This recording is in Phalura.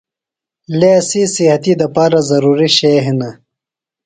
لے اسی صحتی دپارہ ضروری شئے ہِنہ۔